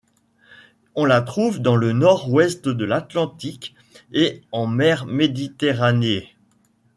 On la trouve dans le nord-ouest de l'Atlantique et en mer Méditerranée.